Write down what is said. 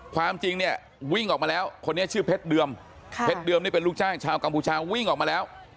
ความจริงเนี่ยวิ่งออกมาแล้วคนนี้ชื่อเพชรเดิมเพชรเดิมนี่เป็นลูกจ้างชาวกัมพูชาวิ่งออกมาแล้ว